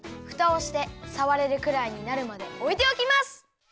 ふたをしてさわれるくらいになるまでおいておきます！